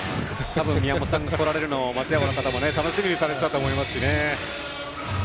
宮本さんが来られるのも松山の方たちは楽しみにされていたと思います。